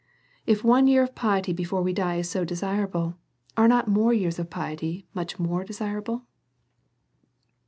If one year of piety before we die is so desirable, is not more years of piety much more desirable?